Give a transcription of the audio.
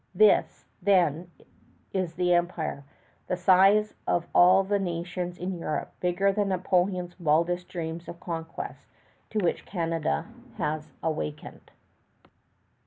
This, then, is the empire the size of all the nations in Europe, bigger than Napoleon's wildest dreams of conquest to which Canada has awakened.